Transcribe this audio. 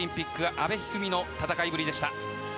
阿部一二三の戦いぶりでした。